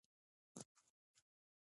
کله چې زه اته ساعته کار کوم تجربه کاروم